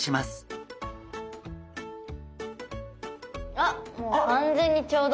あっもう完全にちょうど。